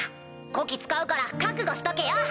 こき使うから覚悟しとけよ！